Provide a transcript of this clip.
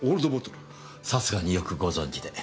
さすがによくご存じで。